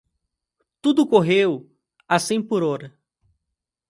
Tudo correu a cem por hora.